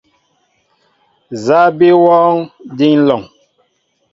Nza bi wɔɔŋ, din lɔŋ ?